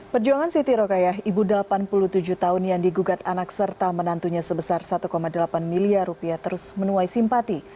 perjuangan siti rokayah ibu delapan puluh tujuh tahun yang digugat anak serta menantunya sebesar satu delapan miliar rupiah terus menuai simpati